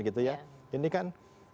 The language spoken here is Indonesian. gitu ya ini kan